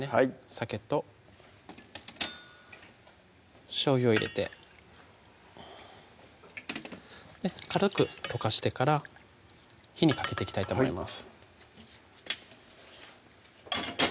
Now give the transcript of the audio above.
酒としょうゆを入れて軽く溶かしてから火にかけていきたいと思います